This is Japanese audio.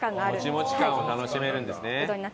モチモチ感を楽しめるんですね。